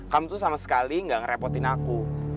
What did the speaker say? kamu tuh sama sekali nggak ngerepotin aku